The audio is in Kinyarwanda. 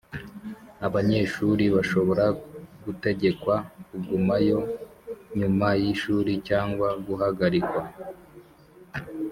Abanyeshuri bashobora gutegekwa kugumayo nyuma y ishuri cyangwa guhagarikwa